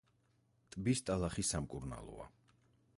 ტბის ტალახი სამკურნალოა.